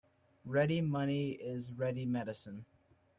Ready money is ready medicine.